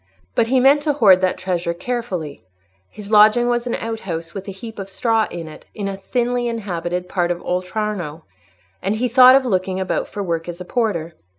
But he meant to hoard that treasure carefully: his lodging was an outhouse with a heap of straw in it, in a thinly inhabited part of Oltrarno, and he thought of looking about for work as a porter.